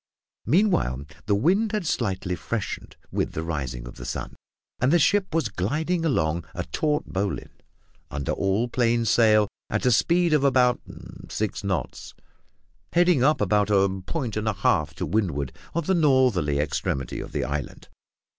Meanwhile, the wind had slightly freshened with the rising of the sun, and the ship was gliding along upon a taut bowline, under all plain sail, at a speed of about six knots, heading up about a point and a half to windward of the northern extremity of the island.